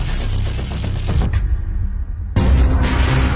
ตอนนี้ก็ไม่มีอัศวินทรีย์